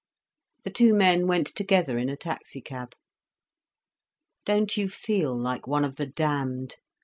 The two men went together in a taxi cab. "Don't you feel like one of the damned?"